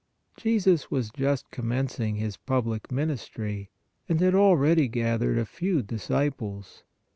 Jesus was just commencing His public ministry, and had already gathered a few disciples.